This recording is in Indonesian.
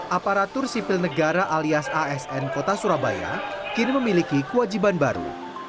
aparatur sipil negara alias asn kota surabaya kini memiliki kewajiban baru